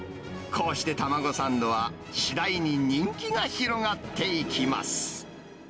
こうして卵サンドは、次第に人気が広がっていきます。